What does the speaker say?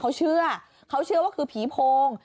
เขาเชื่อเขาเชื่อว่าคือผีโพง